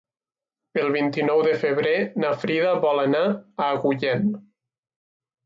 El vint-i-nou de febrer na Frida vol anar a Agullent.